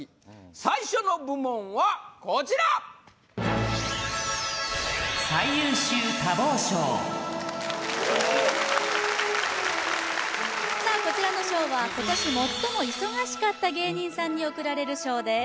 最初の部門はこちらおっさあこちらの賞は今年最も忙しかった芸人さんに贈られる賞です